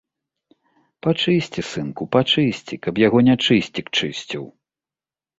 Пачысці, сынку, пачысці, каб яго нячысцік чысціў.